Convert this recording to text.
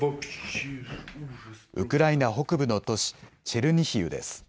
ウクライナ北部の都市、チェルニヒウです。